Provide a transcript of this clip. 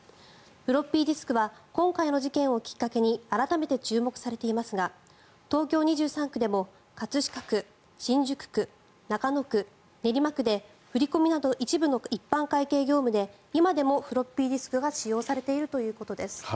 フロッピーディスクは今回の事件をきっかけに改めて注目されていますが東京２３区でも葛飾区、新宿区中野区、練馬区で振り込みなど一部の一般会計業務で今でもフロッピーディスクが使用されているということです。